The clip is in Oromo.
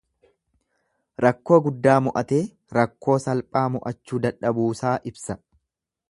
Rakkoo guddaa mo'atee, rakkoo salphaa mo'achuu dadhabuusaa ibsa.